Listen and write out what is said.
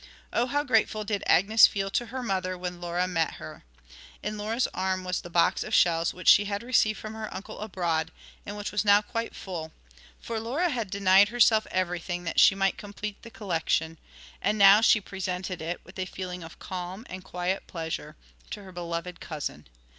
Oh, how grateful did Agnes feel to her mother when Laura met her! In Laura's arms was the box of shells which she had received from her uncle abroad, and which was now quite full; for Laura had denied herself everything that she might complete the collection, and she now presented it, with a feeling of calm and quiet pleasure, to her beloved cousin.